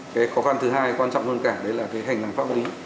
cái khó khăn thứ hai quan trọng hơn cả đó là hành lăng pháp lý